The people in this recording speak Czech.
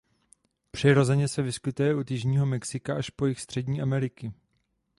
Přirozeně se vyskytuje od jižního Mexika až po jih Střední Ameriky.